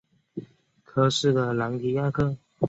科斯的朗提亚克。